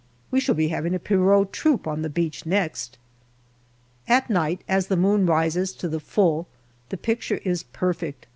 We shall be having a Pierrot troupe on the beach next. At night as the moon rises to the full the picture is perfect.